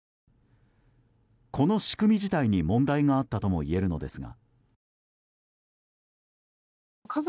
この仕組み自体に問題があったともいえるのですが。